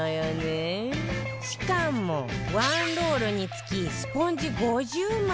しかも１ロールにつきスポンジ５０枚！